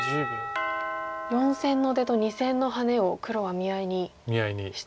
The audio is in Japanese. ４線の出と２線のハネを黒は見合いにしてると。